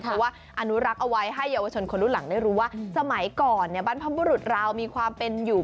เพราะว่าอนุรักษ์เอาไว้ให้เยาวชนคนรุ่นหลังได้รู้ว่าสมัยก่อนบรรพบุรุษราวมีความเป็นอยู่